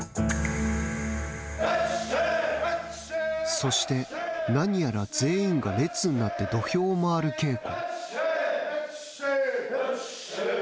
そして、何やら全員が列になって土俵を回る稽古。